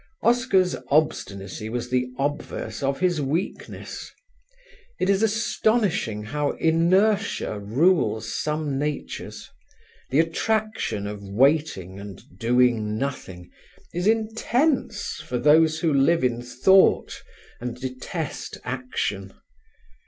Oscar's obstinacy was the obverse of his weakness. It is astonishing how inertia rules some natures. The attraction of waiting and doing nothing is intense for those who live in thought and detest action.